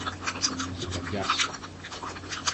Είχε βραδιάσει.